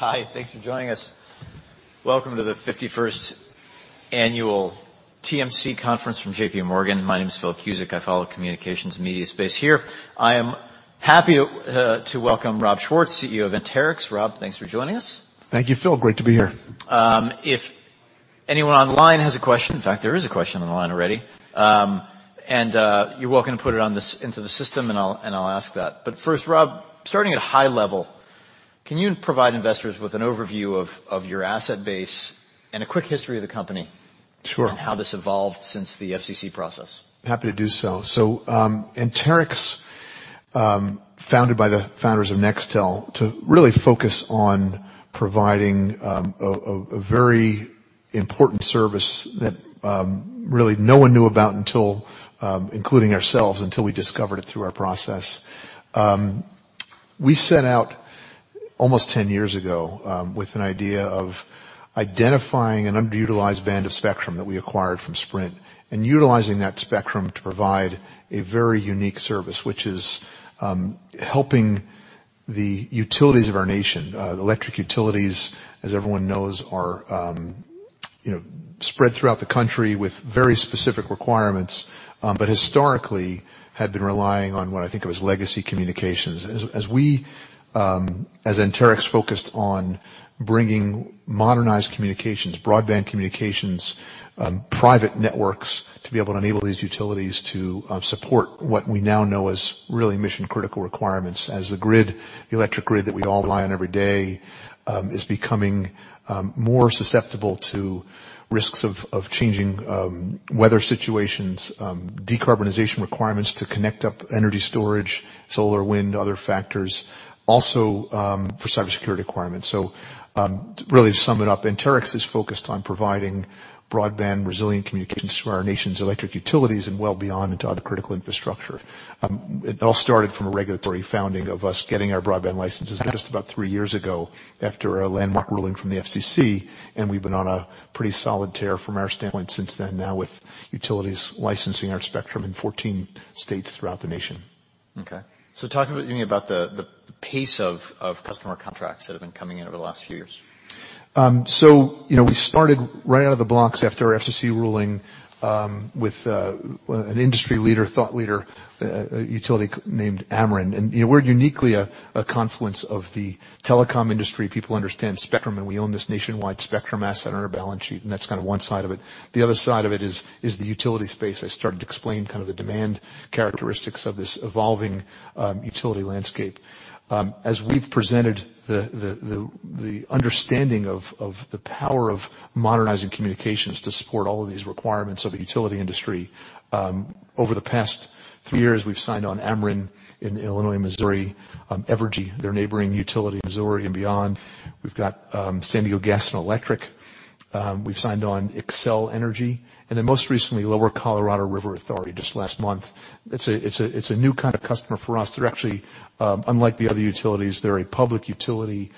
Hi. Thanks for joining us. Welcome to the 51st annual TMC Conference from JPMorgan. My name is Philip Cusick. I follow communications media space here. I am happy to welcome Rob Schwartz, CEO of Anterix. Rob, thanks for joining us. Thank you, Phil. Great to be here. If anyone online has a question. In fact, there is a question on the line already. You're welcome to put it into the system, and I'll ask that. First, Rob, starting at a high level, can you provide investors with an overview of your asset base and a quick history of the company. Sure. How this evolved since the FCC process? Happy to do so. Anterix, founded by the founders of Nextel to really focus on providing a very important service that really no one knew about until including ourselves, until we discovered it through our process. We set out almost 10 years ago with an idea of identifying an underutilized band of spectrum that we acquired from Sprint and utilizing that spectrum to provide a very unique service, which is helping the utilities of our nation. Electric utilities, as everyone knows, are, you know, spread throughout the country with very specific requirements, but historically had been relying on what I think of as legacy communications. As we, as Anterix focused on bringing modernized communications, broadband communications, private networks to be able to enable these utilities to support what we now know as really mission-critical requirements. As the grid, the electric grid that we all rely on every day, is becoming more susceptible to risks of changing weather situations, decarbonization requirements to connect up energy storage, solar, wind, other factors, also for cybersecurity requirements. Really to sum it up, Anterix is focused on providing broadband resilient communications to our nation's electric utilities and well beyond into other critical infrastructure. It all started from a regulatory founding of us getting our broadband licenses just about three years ago after a landmark ruling from the FCC. We've been on a pretty solid tear from our standpoint since then, now with utilities licensing our spectrum in 14 states throughout the nation. Okay. Talk to me about the pace of customer contracts that have been coming in over the last few years. You know, we started right out of the blocks after our FCC ruling, with, well, an industry leader, thought leader, a utility named Ameren. You know, we're uniquely a confluence of the telecom industry. People understand spectrum, we own this nationwide spectrum asset on our balance sheet, that's kind of one side of it. The other side of it is the utility space. I started to explain kind of the demand characteristics of this evolving utility landscape. As we've presented the understanding of the power of modernizing communications to support all of these requirements of the utility industry, over the past three years, we've signed on Ameren in Illinois and Missouri, Evergy, their neighboring utility in Missouri and beyond. We've got San Diego Gas & Electric. We've signed on Xcel Energy, and then most recently, Lower Colorado River Authority just last month. It's a new kind of customer for us. They're actually, unlike the other utilities. They're a public utility,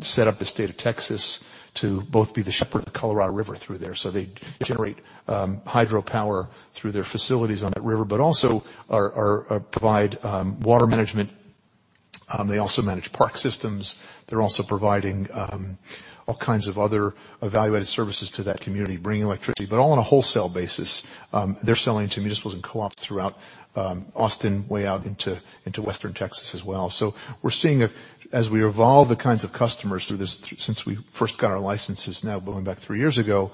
set up the state of Texas to both be the of the Colorado River through there, so they generate hydropower through their facilities on that river, but also are provide water management. They also manage park systems. They're also providing all kinds of other evaluated services to that community, bringing electricity, but all on a wholesale basis. They're selling to municipals and co-ops throughout Austin, way out into western Texas as well. We're seeing as we evolve the kinds of customers through this since we first got our licenses now going back three years ago,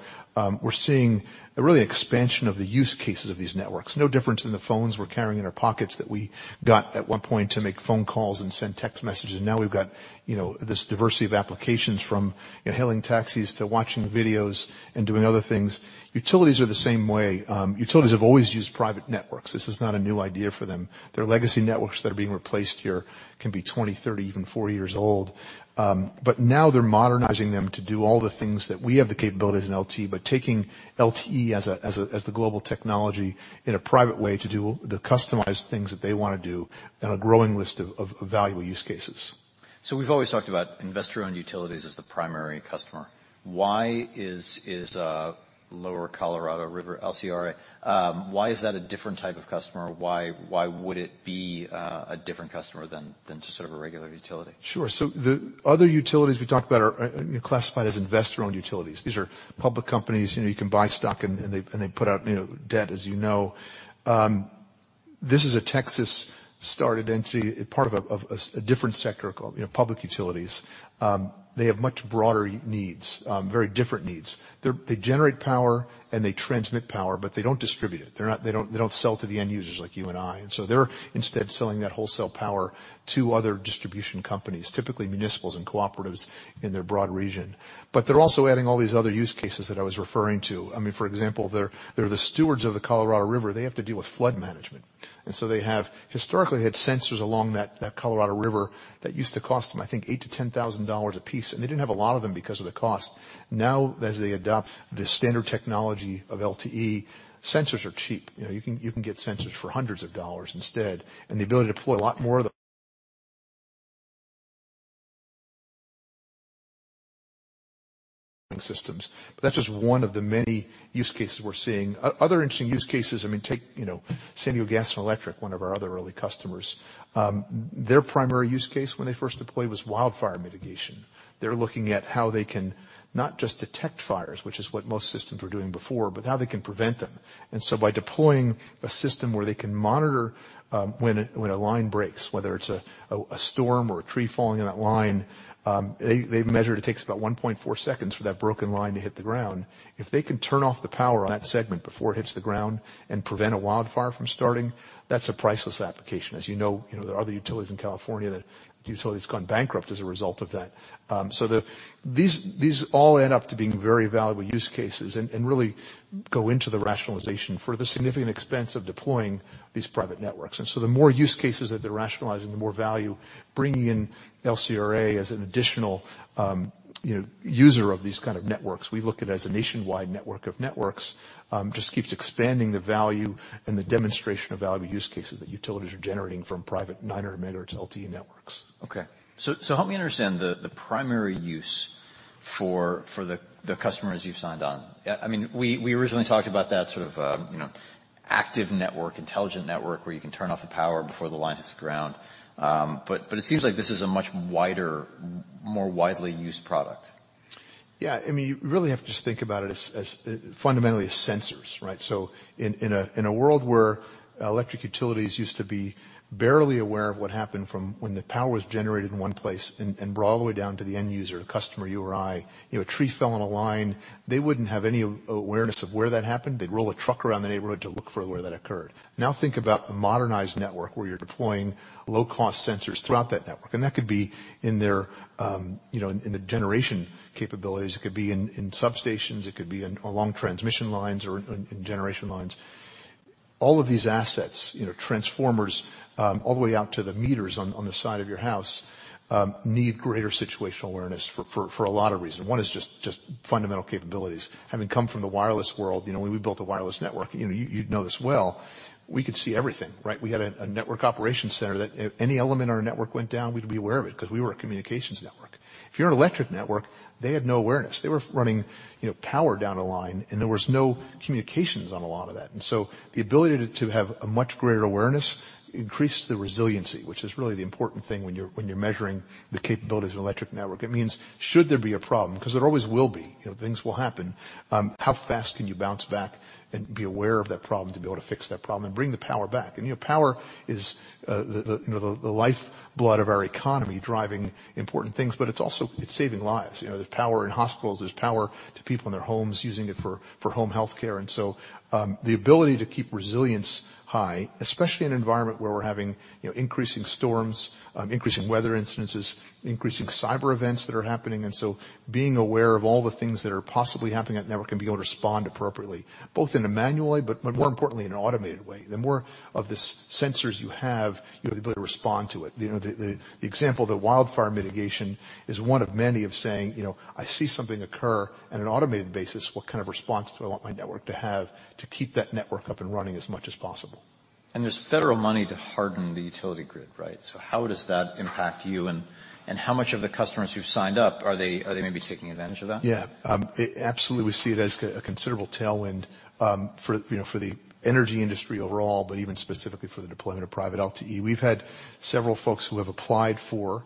we're seeing a really expansion of the use cases of these networks. No different than the phones we're carrying in our pockets that we got at one point to make phone calls and send text messages, and now we've got, you know, this diversity of applications from, you know, hailing taxis to watching videos and doing other things. Utilities are the same way. Utilities have always used private networks. This is not a new idea for them. Their legacy networks that are being replaced here can be 20, 30, even 40 years old. Now they're modernizing them to do all the things that we have the capabilities in LTE, but taking LTE as the global technology in a private way to do the customized things that they wanna do in a growing list of valuable use cases. We've always talked about investor-owned utilities as the primary customer. Why is Lower Colorado River, LCRA, why is that a different type of customer? Why would it be a different customer than just sort of a regular utility? Sure. The other utilities we talked about are, you know, classified as investor-owned utilities. These are public companies. You know, you can buy stock and they, and they put out, you know, debt as you know. This is a Texas-started entity, part of a different sector called, you know, public utilities. They have much broader needs, very different needs. They generate power and they transmit power, but they don't distribute it. They don't sell to the end users like you and I. They're instead selling that wholesale power to other distribution companies, typically municipals and cooperatives in their broad region. They're also adding all these other use cases that I was referring to. I mean, for example, they're the stewards of the Colorado River. They have to deal with flood management. They have historically had sensors along that Colorado River that used to cost them, I think, $8,000-$10,000 a piece, and they didn't have a lot of them because of the cost. Now, as they adopt the standard technology of LTE, sensors are cheap. You know, you can get sensors for hundreds of dollars instead, and the ability to deploy a lot more of them, systems. That's just one of the many use cases we're seeing. Other interesting use cases, I mean, take, you know, San Diego Gas & Electric, one of our other early customers. Their primary use case when they first deployed was wildfire mitigation. They're looking at how they can not just detect fires, which is what most systems were doing before, but how they can prevent them. By deploying a system where they can monitor, when a, when a line breaks, whether it's a storm or a tree falling on that line, they measured it takes about 1.4 seconds for that broken line to hit the ground. If they can turn off the power on that segment before it hits the ground and prevent a wildfire from starting, that's a priceless application. As you know, you know, there are other utilities in California that utilities gone bankrupt as a result of that. These all add up to being very valuable use cases and really go into the rationalization for the significant expense of deploying these private networks. The more use cases that they're rationalizing, the more value bringing in LCRA as an additional, you know, user of these kind of networks. We look at it as a nationwide network of networks, just keeps expanding the value and the demonstration of value use cases that utilities are generating from private 900 MHz LTE networks. Okay. Help me understand the primary use for the customers you've signed on. I mean, we originally talked about that sort of, you know, active network, intelligent network, where you can turn off the power before the line hits the ground. But it seems like this is a much wider, more widely used product. I mean, you really have to just think about it as fundamentally as sensors, right? In a world where electric utilities used to be barely aware of what happened from when the power was generated in one place and brought all the way down to the end user, the customer, you or I. You know, a tree fell on a line, they wouldn't have any awareness of where that happened. They'd roll a truck around the neighborhood to look for where that occurred. Think about a modernized network where you're deploying low cost sensors throughout that network, and that could be in their, you know, in the generation capabilities. It could be in substations, it could be along transmission lines or in generation lines. All of these assets, you know, transformers, all the way out to the meters on the side of your house, need greater situational awareness for a lot of reasons. One is just fundamental capabilities. Having come from the wireless world, you know, when we built a wireless network, you know, you'd know this well, we could see everything, right? We had a network operation center that if any element in our network went down, we'd be aware of it 'cause we were a communications network. If you're an electric network, they had no awareness. They were running, you know, power down a line, and there was no communications on a lot of that. The ability to have a much greater awareness increases the resiliency, which is really the important thing when you're measuring the capabilities of an electric network. It means should there be a problem, because there always will be, you know, things will happen, how fast can you bounce back and be aware of that problem to be able to fix that problem and bring the power back? You know, power is the, you know, the lifeblood of our economy, driving important things, but it's saving lives. You know, there's power in hospitals, there's power to people in their homes using it for home healthcare. The ability to keep resilience high, especially in an environment where we're having, you know, increasing storms, increasing weather incidences, increasing cyber events that are happening. Being aware of all the things that are possibly happening at network and being able to respond appropriately, both in a manually, but more importantly in an automated way. The more of the sensors you have, you have the ability to respond to it. You know, the example of the wildfire mitigation is one of many of saying, "You know, I see something occur on an automated basis. What kind of response do I want my network to have to keep that network up and running as much as possible? There's federal money to harden the utility grid, right? How does that impact you, and how much of the customers who've signed up, are they maybe taking advantage of that? Yeah, absolutely we see it as a considerable tailwind for, you know, for the energy industry overall, but even specifically for the deployment of private LTE. We've had several folks who have applied for,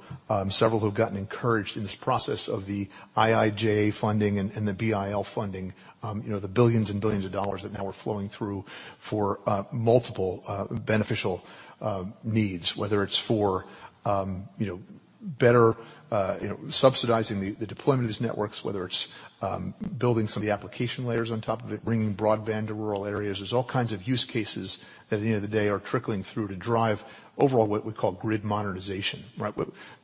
several who've gotten encouraged in this process of the IIJA funding and the BIL funding, you know, the billions and billions of dollars that now are flowing through for multiple beneficial needs. Whether it's for, you know, better, you know, subsidizing the deployment of these networks, whether it's building some of the application layers on top of it, bringing broadband to rural areas. There's all kinds of use cases that at the end of the day are trickling through to drive overall what we call grid modernization, right?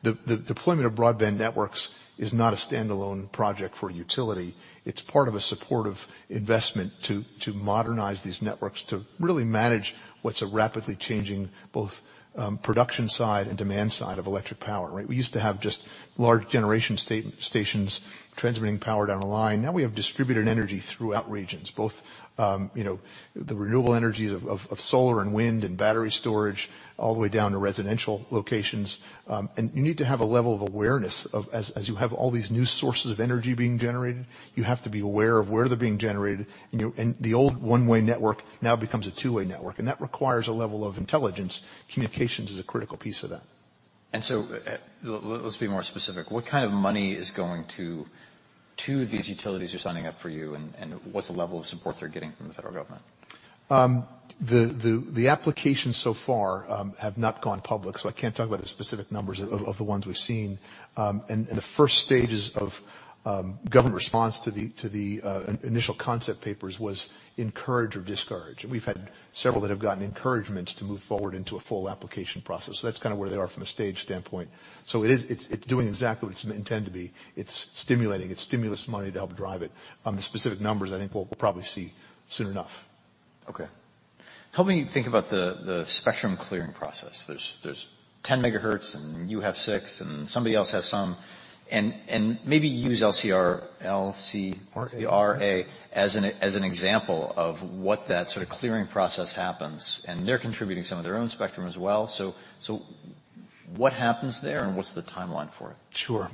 The deployment of broadband networks is not a standalone project for a utility. It's part of a supportive investment to modernize these networks, to really manage what's a rapidly changing both production side and demand side of electric power, right? We used to have just large generation stations transmitting power down a line. Now we have distributed energy throughout regions. Both, you know, the renewable energies of solar and wind and battery storage, all the way down to residential locations. You need to have a level of awareness of. As you have all these new sources of energy being generated, you have to be aware of where they're being generated. You know, the old one-way network now becomes a two-way network, and that requires a level of intelligence. Communications is a critical piece of that. Let's be more specific. What kind of money is going to these utilities who are signing up for you, and what's the level of support they're getting from the federal government? The applications so far have not gone public, so I can't talk about the specific numbers of the ones we've seen. The first stages of government response to the initial concept papers was encourage or discourage. We've had several that have gotten encouragements to move forward into a full application process. That's kinda where they are from a stage standpoint. It's doing exactly what it's intended to be. It's stimulating. It's stimulus money to help drive it. The specific numbers I think we'll probably see soon enough. Okay. Help me think about the spectrum clearing process. There's 10 MHz, and you have six, and somebody else has some. maybe use LCRA. RA. RA as an example of what that sort of clearing process happens, and they're contributing some of their own spectrum as well. What happens there, and what's the timeline for it? Sure.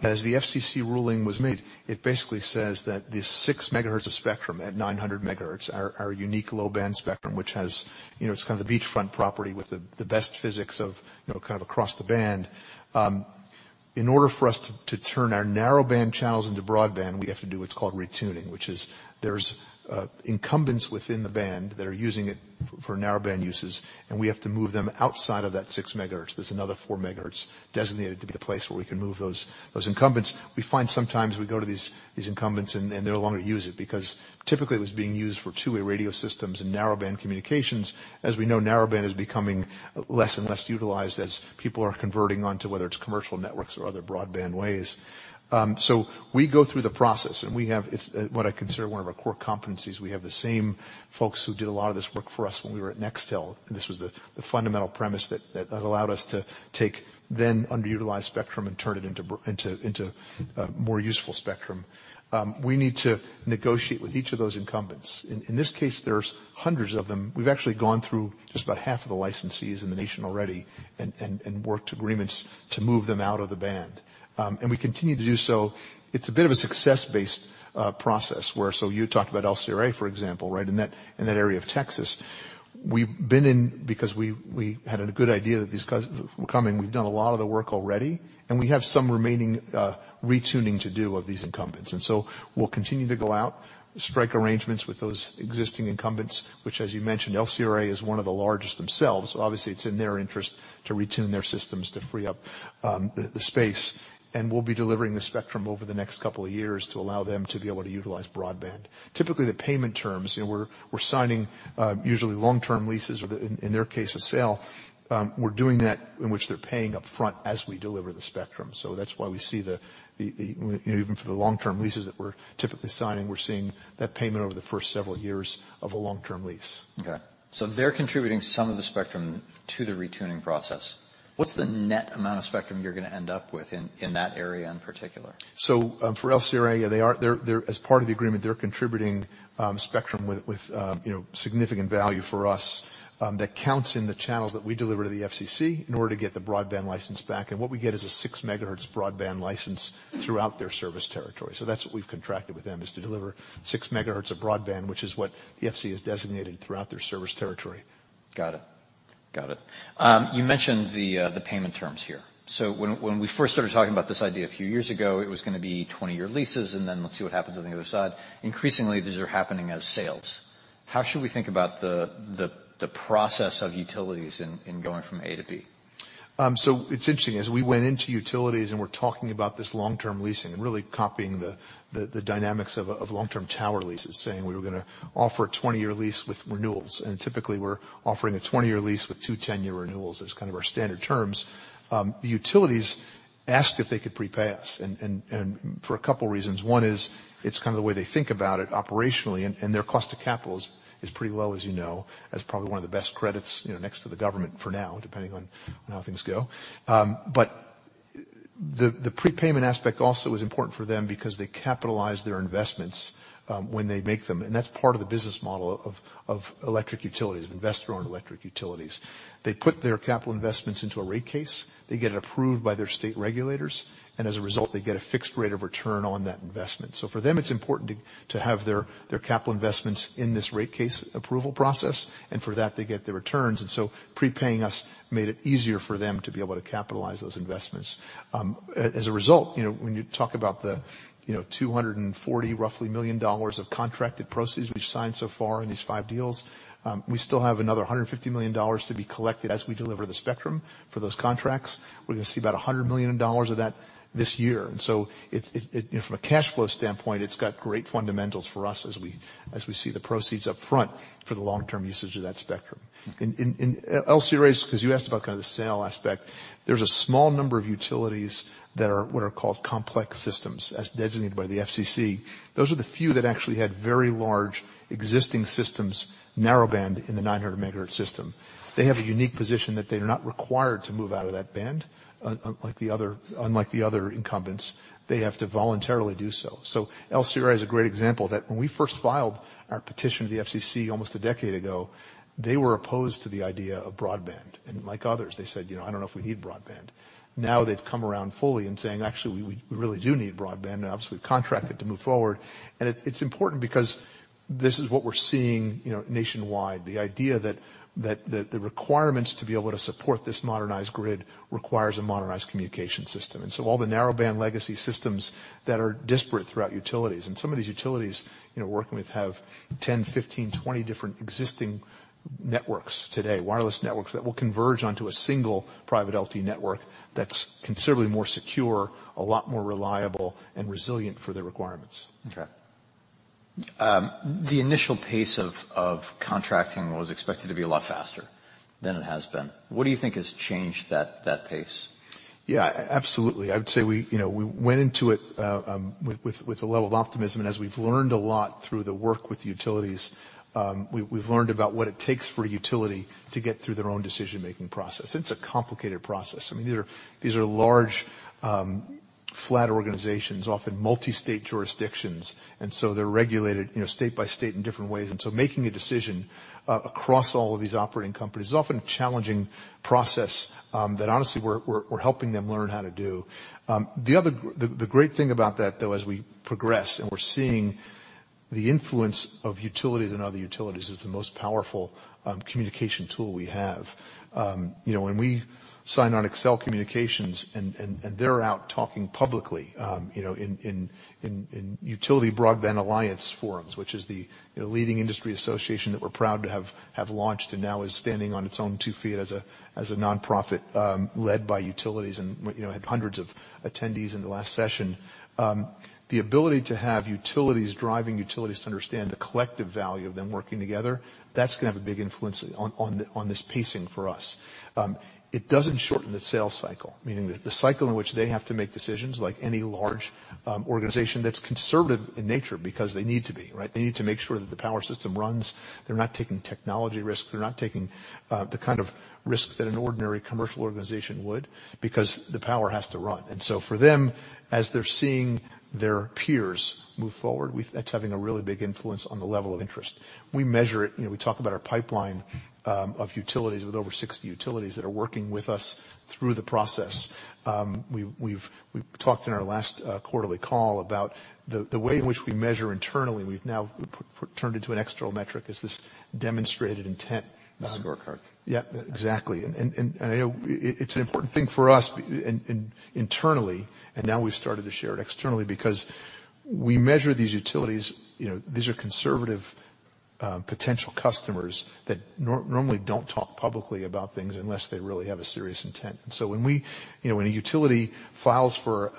As the FCC ruling was made, it basically says that the 6 MHz of spectrum at 900 MHz are unique low-band spectrum, which has... You know, it's kind of the beachfront property with the best physics of, you know, kind of across the band. In order for us to turn our narrowband channels into broadband, we have to do what's called retuning, which is there's incumbents within the band that are using it for narrowband uses, and we have to move them outside of that 6 MHz. There's another 4 MHz designated to be the place where we can move those incumbents. We find sometimes we go to these incumbents and they no longer use it because typically it was being used for two-way radio systems and narrowband communications. As we know, narrowband is becoming less and less utilized as people are converting onto whether it's commercial networks or other broadband ways. We go through the process, and we have, it's what I consider one of our core competencies. We have the same folks who did a lot of this work for us when we were at Nextel, and this was the fundamental premise that allowed us to take then underutilized spectrum and turn it into more useful spectrum. We need to negotiate with each of those incumbents. In this case, there's hundreds of them. We've actually gone through just about half of the licensees in the nation already and worked agreements to move them out of the band. We continue to do so. It's a bit of a success-based process where you talked about LCRA, for example, right? In that area of Texas. We've been in because we had a good idea that these guys were coming. We've done a lot of the work already, and we have some remaining retuning to do of these incumbents. We'll continue to go out, strike arrangements with those existing incumbents, which, as you mentioned, LCRA is one of the largest themselves. Obviously, it's in their interest to retune their systems to free up the space. We'll be delivering the spectrum over the next couple of years to allow them to be able to utilize broadband. Typically, the payment terms, you know, we're signing usually long-term leases or in their case, a sale. We're doing that in which they're paying upfront as we deliver the spectrum. That's why we see the, you know, even for the long-term leases that we're typically signing, we're seeing that payment over the first several years of a long-term lease. Okay. They're contributing some of the spectrum to the retuning process. What's the net amount of spectrum you're gonna end up with in that area in particular? For LCRA, They're, as part of the agreement, they're contributing spectrum with, you know, significant value for us, that counts in the channels that we deliver to the FCC in order to get the broadband license back. What we get is a 6 MHz broadband license throughout their service territory. That's what we've contracted with them, is to deliver 6 MHz of broadband, which is what the FCC has designated throughout their service territory. Got it. Got it. You mentioned the payment terms here. When we first started talking about this idea a few years ago, it was gonna be 20-year leases, then let's see what happens on the other side. Increasingly, these are happening as sales. How should we think about the process of utilities in going from A to B? It's interesting. As we went into utilities and we're talking about this long-term leasing and really copying the dynamics of long-term tower leases, saying we were gonna offer a 20-year lease with renewals, and typically we're offering a 20-year lease with two 10-year renewals as kind of our standard terms. The utilities asked if they could prepay us and for a couple reasons. One is it's kind of the way they think about it operationally and their cost to capital is pretty low, as you know. That's probably one of the best credits, you know, next to the government for now, depending on how things go. The prepayment aspect also is important for them because they capitalize their investments when they make them, and that's part of the business model of electric utilities, investor-owned electric utilities. They put their capital investments into a rate case. They get it approved by their state regulators. They get a fixed rate of return on that investment. For them, it's important to have their capital investments in this rate case approval process. For that, they get the returns. Prepaying us made it easier for them to be able to capitalize those investments. As, as a result, you know, when you talk about the, you know, $240 million roughly of contracted proceeds we've signed so far in these five deals, we still have another $150 million to be collected as we deliver the spectrum for those contracts. We're gonna see about $100 million of that this year. It, you know, from a cash flow standpoint, it's got great fundamentals for us as we, as we see the proceeds up front for the long-term usage of that spectrum. In LCRA's, 'cause you asked about kind of the sale aspect, there's a small number of utilities that are what are called complex systems, as designated by the FCC. Those are the few that actually had very large existing systems, narrowband, in the 900 MHz system. They have a unique position that they are not required to move out of that band unlike the other incumbents. They have to voluntarily do so. LCRA is a great example that when we first filed our petition to the FCC almost a decade ago, they were opposed to the idea of broadband. Like others, they said, "You know, I don't know if we need broadband." Now they've come around fully and saying, "Actually, we really do need broadband," and obviously we've contracted to move forward. It's important because this is what we're seeing, you know, nationwide, the idea that the requirements to be able to support this modernized grid requires a modernized communication system. All the narrowband legacy systems that are disparate throughout utilities, and some of these utilities, you know, working with have 10, 15, 20 different existing networks today, wireless networks that will converge onto a single private LTE network that's considerably more secure, a lot more reliable and resilient for their requirements. Okay. The initial pace of contracting was expected to be a lot faster than it has been. What do you think has changed that pace? Yeah. Absolutely. I would say we, you know, we went into it with a level of optimism. As we've learned a lot through the work with the utilities, we've learned about what it takes for a utility to get through their own decision-making process. It's a complicated process. I mean, these are large flat organizations, often multi-state jurisdictions, they're regulated, you know, state by state in different ways. Making a decision across all of these operating companies is often a challenging process that honestly, we're helping them learn how to do. The great thing about that, though, as we progress and we're seeing the influence of utilities and other utilities, is the most powerful communication tool we have. You know, when we sign on Xcel Communications and they're out talking publicly, you know, in Utility Broadband Alliance forums, which is the, you know, leading industry association that we're proud to have launched and now is standing on its own 2 ft as a nonprofit, led by utilities and, you know, had hundreds of attendees in the last session. The ability to have utilities driving utilities to understand the collective value of them working together, that's gonna have a big influence on this pacing for us. It doesn't shorten the sales cycle, meaning the cycle in which they have to make decisions like any large organization that's conservative in nature because they need to be, right? They need to make sure that the power system runs. They're not taking technology risks. They're not taking the kind of risks that an ordinary commercial organization would because the power has to run. For them, as they're seeing their peers move forward, that's having a really big influence on the level of interest. We measure it. You know, we talk about our pipeline of utilities with over 60 utilities that are working with us through the process. We've talked in our last quarterly call about the way in which we measure internally, we've now turned into an external metric, is this demonstrated intent. The scorecard. Yeah. Exactly. I know it's an important thing for us internally, Now we've started to share it externally because we measure these utilities. You know, these are conservative, potential customers that normally don't talk publicly about things unless they really have a serious intent. When we You know, when a utility files for,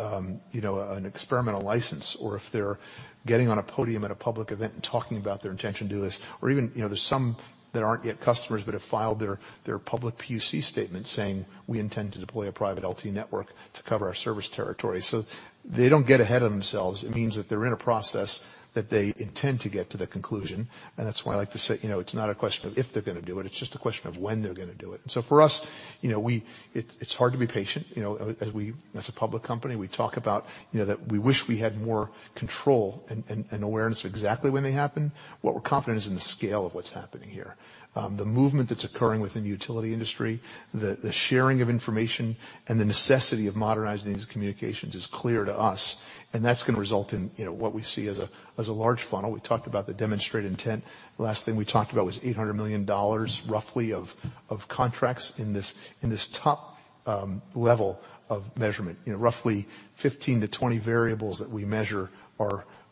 you know, an experimental license or if they're getting on a podium at a public event and talking about their intention to do this or even, you know, there's some that aren't yet customers but have filed their public PUC statement saying, "We intend to deploy a private LTE network to cover our service territory." They don't get ahead of themselves. It means that they're in a process, that they intend to get to the conclusion. That's why I like to say, you know, it's not a question of if they're gonna do it's just a question of when they're gonna do it. For us, you know, we. It's hard to be patient, you know, as a public company. We talk about, you know, that we wish we had more control and awareness of exactly when they happen. What we're confident is in the scale of what's happening here. The movement that's occurring within the utility industry, the sharing of information, and the necessity of modernizing these communications is clear to us. That's gonna result in, you know, what we see as a large funnel. We talked about the demonstrated intent. The last thing we talked about was $800 million roughly of contracts in this, in this top level of measurement. You know, roughly 15 to 20 variables that we measure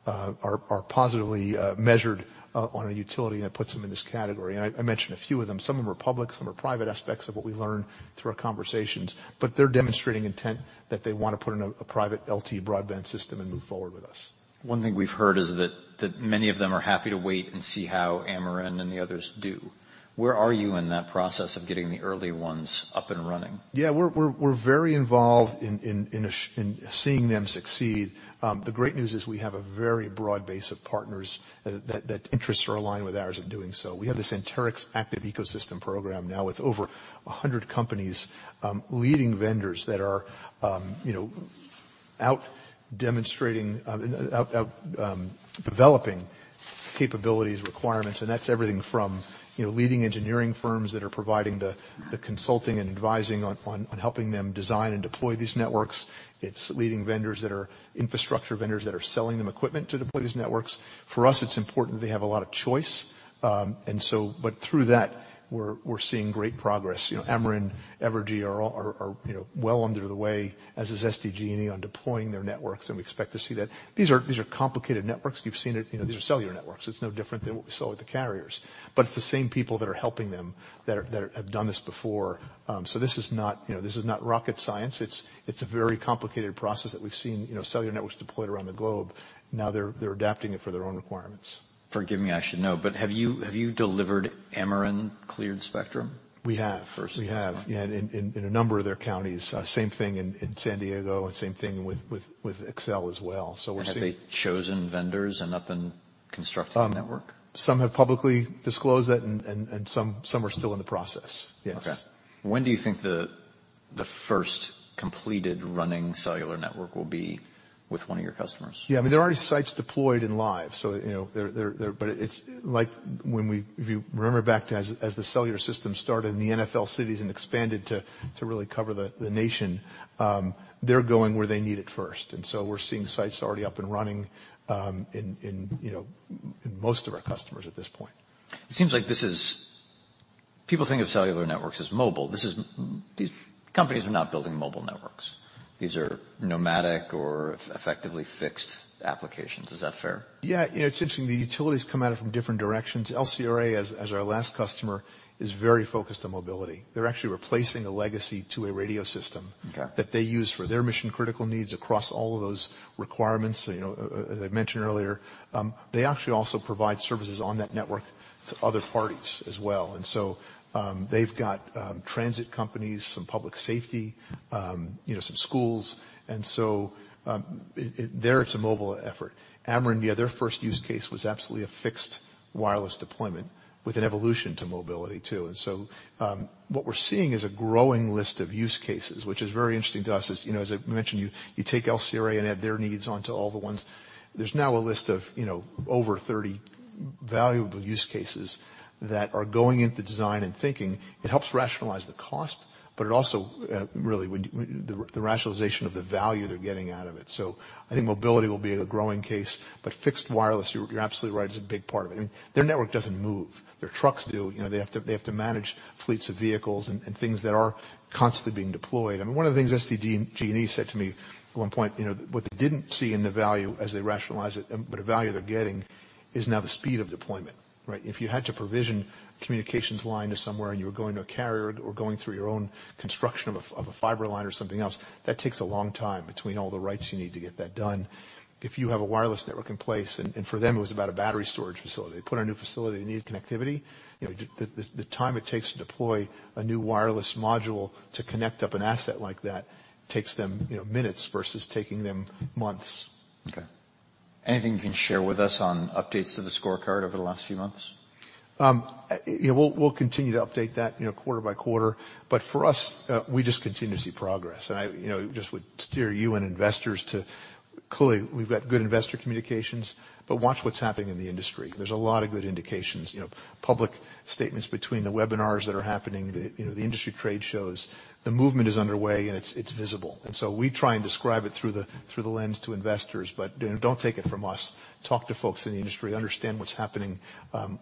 are positively measured on a utility. It puts them in this category. I mentioned a few of them. Some of them are public, some are private aspects of what we learn through our conversations. They're demonstrating intent that they wanna put in a private LTE broadband system and move forward with us. One thing we've heard is that many of them are happy to wait and see how Ameren and the others do. Where are you in that process of getting the early ones up and running? We're very involved in seeing them succeed. The great news is we have a very broad base of partners that interests are aligned with ours in doing so. We have this Anterix Active Ecosystem program now with over 100 companies, leading vendors that are, you know, out demonstrating, out developing capabilities, requirements, and that's everything from, you know, leading engineering firms that are providing the consulting and advising on helping them design and deploy these networks. It's leading vendors that are infrastructure vendors that are selling them equipment to deploy these networks. For us, it's important they have a lot of choice. Through that, we're seeing great progress. You know, Ameren, Evergy are all are, you know, well under the way, as is SDG&E on deploying their networks. We expect to see that. These are complicated networks. You've seen it. You know, these are cellular networks. It's no different than what we saw with the carriers. It's the same people that are helping them that are have done this before. This is not, you know, this is not rocket science. It's a very complicated process that we've seen, you know, cellular networks deployed around the globe. They're adapting it for their own requirements. Forgive me, I should know, but have you delivered Ameren cleared spectrum? We have. First. We have. Yeah. In a number of their counties. Same thing in San Diego and same thing with Xcel as well. We're seeing. Have they chosen vendors and up and constructing the network? Some have publicly disclosed that and some are still in the process. Yes. Okay. When do you think the first completed running cellular network will be with one of your customers? Yeah. I mean, there are already sites deployed and live, so, you know, they're. If you remember back to as the cellular system started in the NFL cities and expanded to really cover the nation, they're going where they need it first. We're seeing sites already up and running, in, you know, in most of our customers at this point. It seems like people think of cellular networks as mobile. These companies are not building mobile networks. These are nomadic or effectively fixed applications. Is that fair? Yeah. You know, it's interesting. The utilities come at it from different directions. LCRA, as our last customer, is very focused on mobility. They're actually replacing a legacy to a radio system- Okay. That they use for their mission-critical needs across all of those requirements, you know, as I mentioned earlier. They actually also provide services on that network to other parties as well. They've got transit companies, some public safety, you know, some schools, and so, There, it's a mobile effort. Ameren, yeah, their first use case was absolutely a fixed wireless deployment with an evolution to mobility too. What we're seeing is a growing list of use cases, which is very interesting to us. As, you know, as I mentioned, you take LCRA and add their needs onto all the ones. There's now a list of, you know, over 30 valuable use cases that are going into design and thinking. It helps rationalize the cost. It also, really the rationalization of the value they're getting out of it. I think mobility will be a growing case, but fixed wireless, you're absolutely right, is a big part of it. I mean, their network doesn't move. Their trucks do. You know, they have to manage fleets of vehicles and things that are constantly being deployed. I mean, one of the things SDG&E said to me at one point, you know, what they didn't see in the value as they rationalize it, but the value they're getting is now the speed of deployment, right? If you had to provision communications line to somewhere, you were going to a carrier or going through your own construction of a fiber line or something else, that takes a long time between all the rights you need to get that done. If you have a wireless network in place, and for them, it was about a battery storage facility. They put a new facility, they needed connectivity. You know, the time it takes to deploy a new wireless module to connect up an asset like that takes them, you know, minutes versus taking them months. Okay. Anything you can share with us on updates to the scorecard over the last few months? you know, we'll continue to update that, you know, quarter by quarter. For us, we just continue to see progress. I, you know, just would steer you and investors to. Clearly, we've got good investor communications, but watch what's happening in the industry. There's a lot of good indications, you know, public statements between the webinars that are happening, the, you know, the industry trade shows. The movement is underway, and it's visible. We try and describe it through the lens to investors. You know, don't take it from us. Talk to folks in the industry, understand what's happening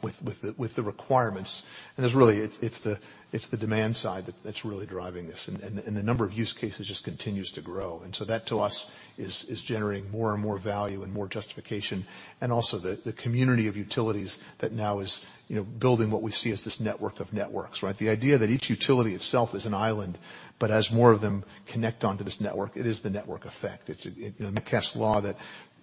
with the requirements. There's really, it's the demand side that's really driving this. The number of use cases just continues to grow. That to us is generating more and more value and more justification. The community of utilities that now is, you know, building what we see as this network of networks, right. The idea that each utility itself is an island, but as more of them connect onto this network, it is the network effect. It's, you know, Metcalfe's Law that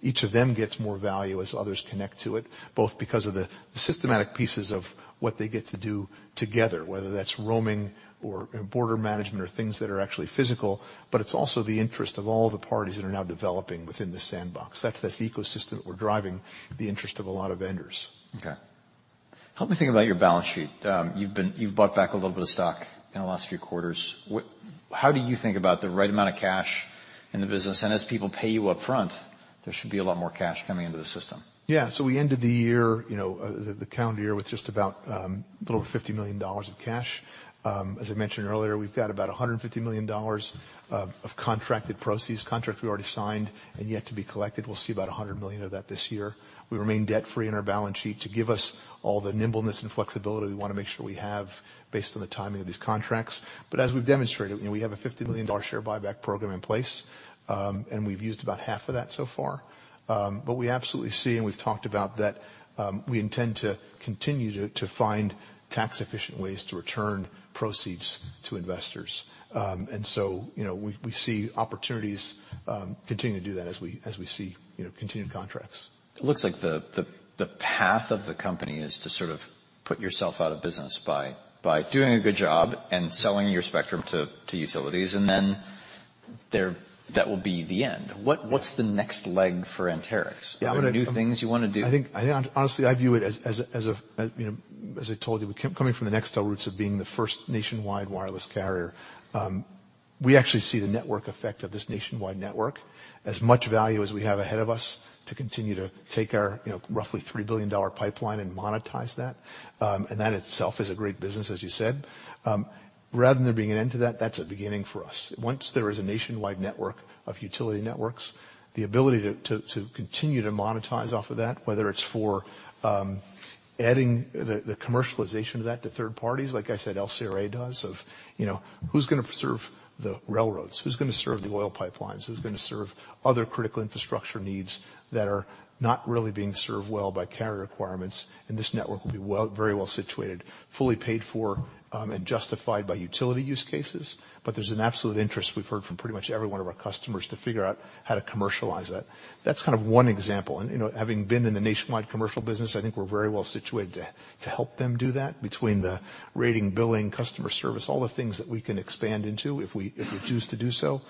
each of them gets more value as others connect to it, both because of the systematic pieces of what they get to do together, whether that's roaming or border management or things that are actually physical, but it's also the interest of all the parties that are now developing within the sandbox. That's the ecosystem that we're driving the interest of a lot of vendors. Okay. Help me think about your balance sheet. You've bought back a little bit of stock in the last few quarters. How do you think about the right amount of cash in the business? As people pay you up front, there should be a lot more cash coming into the system. Yeah. We ended the year, you know, the calendar year with just about a little over $50 million of cash. As I mentioned earlier, we've got about $150 million of contracted proceeds, contracts we already signed and yet to be collected. We'll see about $100 million of that this year. We remain debt-free in our balance sheet to give us all the nimbleness and flexibility we wanna make sure we have based on the timing of these contracts. As we've demonstrated, you know, we have a $50 million share buyback program in place, and we've used about half of that so far. We absolutely see, and we've talked about that, we intend to continue to find tax-efficient ways to return proceeds to investors. You know, we see opportunities, continuing to do that as we see, you know, continued contracts. It looks like the path of the company is to sort of put yourself out of business by doing a good job and selling your spectrum to utilities, and then that will be the end. What's the next leg for Anterix? Are there new things you wanna do? I think, I honestly, I view it as a, you know, as I told you, coming from the Nextel roots of being the first nationwide wireless carrier, we actually see the network effect of this nationwide network as much value as we have ahead of us to continue to take our, you know, roughly $3 billion pipeline and monetize that. And that itself is a great business, as you said. Rather than it being an end to that's a beginning for us. Once there is a nationwide network of utility networks, the ability to continue to monetize off of that, whether it's for, adding the commercialization of that to third parties, like I said, LCRA does of, you know, who's gonna serve the railroads? Who's gonna serve the oil pipelines? Who's gonna serve other critical infrastructure needs that are not really being served well by carrier requirements? This network will be very well situated, fully paid for, and justified by utility use cases. There's an absolute interest we've heard from pretty much every one of our customers to figure out how to commercialize that. That's kind of one example. You know, having been in the nationwide commercial business, I think we're very well situated to help them do that between the rating, billing, customer service, all the things that we can expand into if we, if we choose to do so.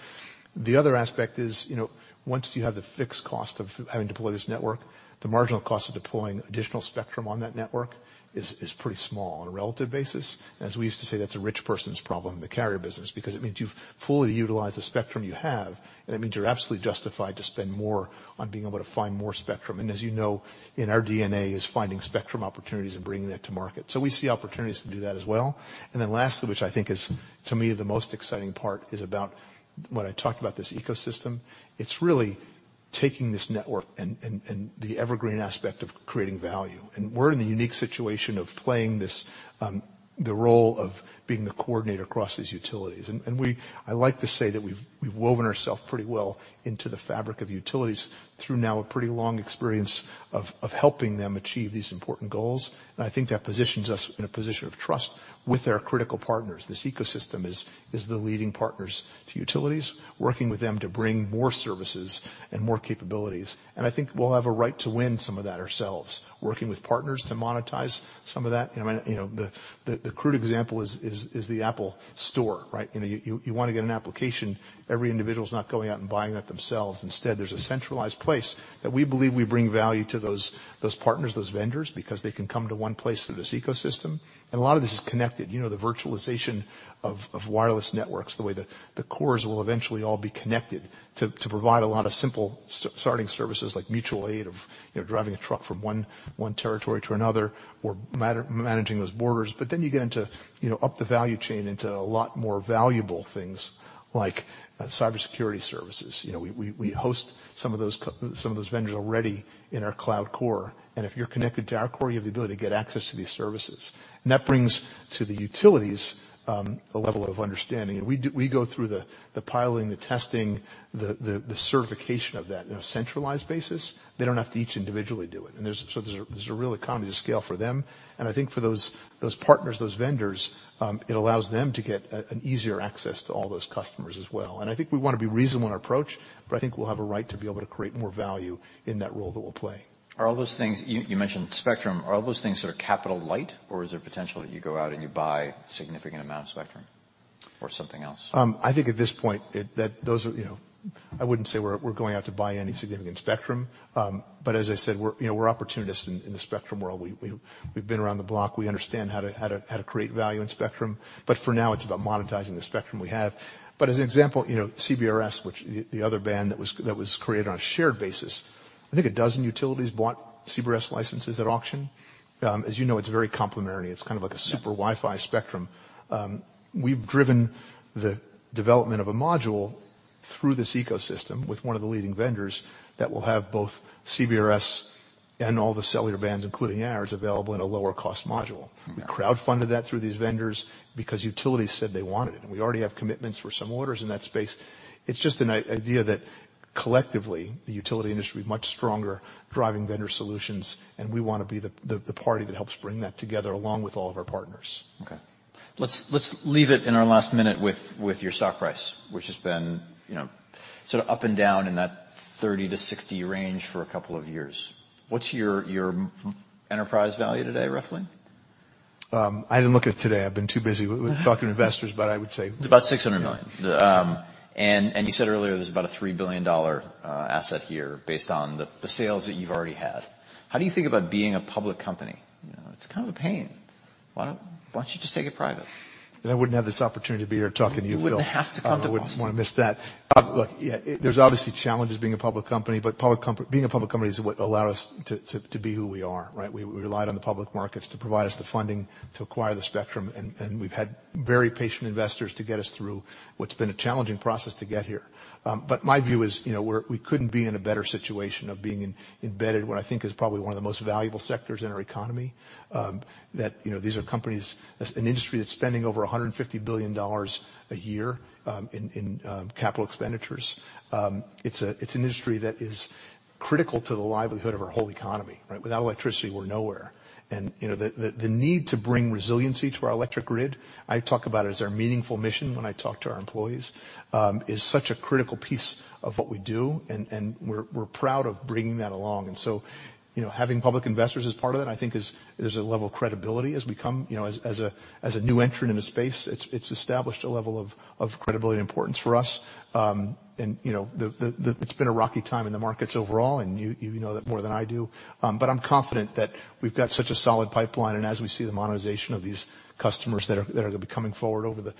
The other aspect is, you know, once you have the fixed cost of having to deploy this network, the marginal cost of deploying additional spectrum on that network is pretty small on a relative basis. As we used to say, that's a rich person's problem in the carrier business because it means you've fully utilized the spectrum you have, and it means you're absolutely justified to spend more on being able to find more spectrum. As you know, in our DNA is finding spectrum opportunities and bringing that to market. We see opportunities to do that as well. Then lastly, which I think is, to me, the most exciting part, is about when I talked about this ecosystem, it's really taking this network and the evergreen aspect of creating value. We're in the unique situation of playing this, the role of being the coordinator across these utilities. I like to say that we've woven ourselves pretty well into the fabric of utilities through now a pretty long experience of helping them achieve these important goals. I think that positions us in a position of trust with our critical partners. This ecosystem is the leading partners to utilities, working with them to bring more services and more capabilities. I think we'll have a right to win some of that ourselves, working with partners to monetize some of that. You know, I mean, you know, the crude example is the Apple Store, right? You know, you wanna get an application, every individual's not going out and buying that themselves. Instead, there's a centralized place that we believe we bring value to those partners, those vendors, because they can come to one place through this ecosystem. A lot of this is connected. You know, the virtualization of wireless networks, the way the cores will eventually all be connected to provide a lot of simple starting services like mutual aid of, you know, driving a truck from one territory to another or managing those borders. You get into, you know, up the value chain into a lot more valuable things like cybersecurity services. You know, we host some of those vendors already in our cloud core. If you're connected to our core, you have the ability to get access to these services. That brings to the utilities a level of understanding. We go through the piloting, the testing, the certification of that in a centralized basis. They don't have to each individually do it. There's a real economy of scale for them. I think for those partners, those vendors, it allows them to get an easier access to all those customers as well. I think we wanna be reasonable in our approach, but I think we'll have a right to be able to create more value in that role that we'll play. You mentioned spectrum. Are all those things sort of capital light, or is there potential that you go out and you buy a significant amount of spectrum or something else? I think at this point that those are, you know. I wouldn't say we're going out to buy any significant spectrum. As I said, we're, you know, we're opportunists in the spectrum world. We've been around the block. We understand how to create value in spectrum. For now, it's about monetizing the spectrum we have. As an example, you know, CBRS, which the other band that was created on a shared basis, I think 12 utilities bought CBRS licenses at auction. As you know, it's very complementary. It's kind of like a. Yeah. Super Wi-Fi spectrum. We've driven the development of a module through this ecosystem with one of the leading vendors that will have both CBRS and all the cellular bands, including ours, available in a lower cost module. Yeah. We crowdfunded that through these vendors because utilities said they wanted it. We already have commitments for some orders in that space. It's just an idea that collectively, the utility industry is much stronger driving vendor solutions, and we wanna be the party that helps bring that together, along with all of our partners. Okay. Let's leave it in our last minute with your stock price, which has been, you know, sort of up and down in that $30-$60 range for a couple of years. What's your enterprise value today, roughly? I didn't look at it today. I've been too busy talking to investors, but I would say. It's about $600 million. Yeah. You said earlier there's about a $3 billion asset here based on the sales that you've already had. How do you think about being a public company? You know, it's kind of a pain. Why don't you just take it private? I wouldn't have this opportunity to be here talking to you, Phil. You wouldn't have to come to. I wouldn't wanna miss that. Look, yeah, there's obviously challenges being a public company, being a public company is what allowed us to be who we are, right? We relied on the public markets to provide us the funding to acquire the spectrum, we've had very patient investors to get us through what's been a challenging process to get here. My view is, you know, we couldn't be in a better situation of being embedded in what I think is probably one of the most valuable sectors in our economy. You know, these are companies, as an industry that's spending over $150 billion a year in capital expenditures. It's a, it's an industry that is critical to the livelihood of our whole economy, right? Without electricity, we're nowhere. You know, the need to bring resiliency to our electric grid, I talk about it as our meaningful mission when I talk to our employees, is such a critical piece of what we do, and we're proud of bringing that along. You know, having public investors as part of that, I think is a level of credibility as we come. You know, as a new entrant in the space, it's established a level of credibility and importance for us. You know, it's been a rocky time in the markets overall, and you know that more than I do. I'm confident that we've got such a solid pipeline, and as we see the monetization of these customers that are gonna be coming forward over the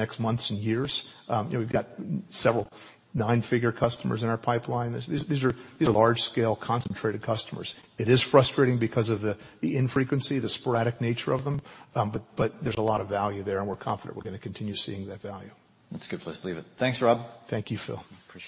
next months and years. You know, we've got several nine-figure customers in our pipeline. These are large scale concentrated customers. It is frustrating because of the infrequency, the sporadic nature of them. There's a lot of value there, and we're confident we're gonna continue seeing that value. That's a good place to leave it. Thanks, Rob. Thank you, Phil. Appreciate it.